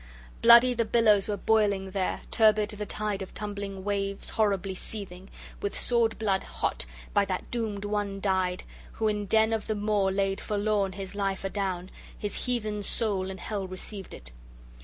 Bloody the billows were boiling there, turbid the tide of tumbling waves horribly seething, with sword blood hot, by that doomed one dyed, who in den of the moor laid forlorn his life adown, his heathen soul, and hell received it.